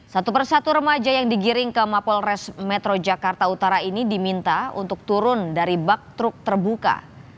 satu persatu remaja yang digiring ke mapolres metro jakarta utara ini diminta untuk turun dari bak truk terbuka